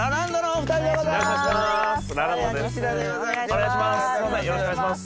お願いします。